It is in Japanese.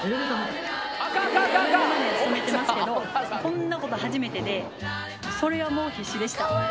１７年勤めてるけど、こんなこと初めてで、それはもう、必死でした。